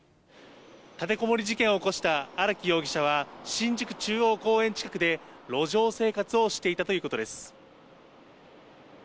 立てこもり事件を起こした荒木容疑者は、新宿中央公園近くで路上生活をしていたということです。